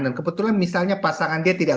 dan kebetulan misalnya pasangan itu punya pasangan